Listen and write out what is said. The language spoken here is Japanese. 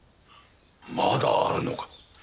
まだあるのか？